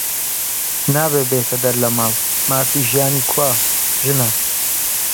نابێ بێتە دەر لە ماڵ، مافی ژیانی کوا؟ ژنە